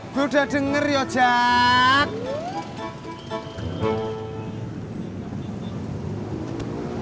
gue udah denger yo jack